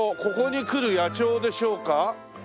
ここに来る野鳥でしょうか？